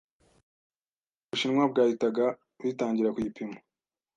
Ubushinwa bwahitaga bitangira kuyipima